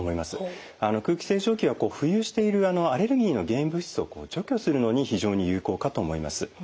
空気清浄機は浮遊しているアレルギーの原因物質を除去するのに非常に有効かと思います。